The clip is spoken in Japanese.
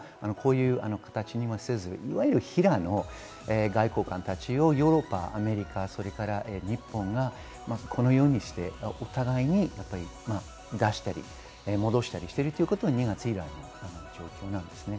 大使や行使はこういう形にはせず、いわゆる平の外交官たちをヨーロッパ、アメリカ、日本がこのようにして、お互いに出したり戻したりしているということは２月にある状況です。